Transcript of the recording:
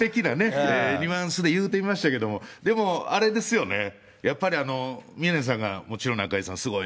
出落ち的なね、ニュアンスで言ってみましたけれども、でも、あれですよね、やっぱり宮根さんがもちろん中居さん